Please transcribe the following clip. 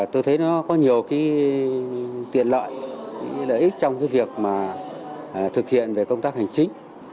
tôi thấy nó có nhiều tiện lợi lợi ích trong việc thực hiện công tác hành chính